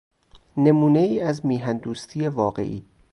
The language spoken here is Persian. نمونهای از میهندوستی واقعی